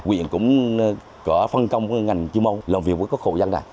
huyện cũng có phân công ngành chư mâu làm việc với các hộ dân này